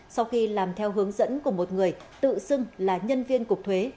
sau khi làm theo hướng dẫn của một người tự xưng là nhân viên cục thuế